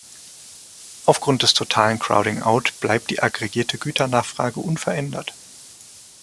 Aufgrund des totalen Crowding-out bleibt die aggregierte Güternachfrage unverändert.